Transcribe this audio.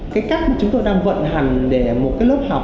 cái cách mà chúng tôi đang vận hành để một cái lớp học